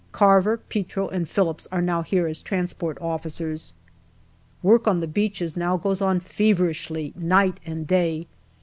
Carver, Petro, and Phillips are now here as transport officers. Work on the beaches now goes on feverishly, night and day.